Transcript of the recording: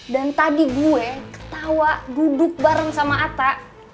dan tadi gue ketawa duduk bareng sama atta